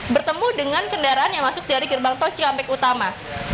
bertemu dengan kendaraan yang masuk dari gerbang tol cikampek utama